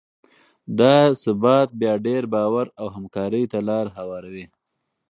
دا ثبات بیا ډیر باور او همکارۍ ته لاره هواروي.